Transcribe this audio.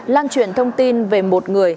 lan truyền thông tin về một người